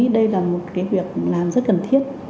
đây là một cái việc làm rất cần thiết